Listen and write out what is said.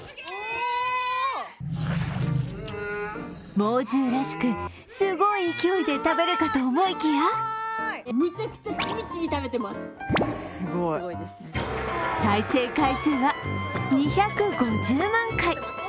猛獣らしく、すごい勢いで食べるかと思いきや再生回数は２５０万回。